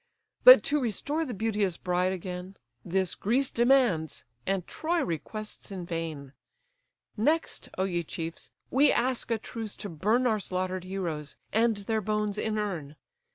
But to restore the beauteous bride again, This Greece demands, and Troy requests in vain. Next, O ye chiefs! we ask a truce to burn Our slaughter'd heroes, and their bones inurn.